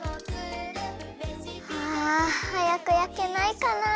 あはやくやけないかな。